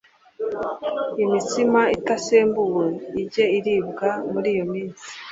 imitsima itasembuwe ijye iribwa muri iyo minsi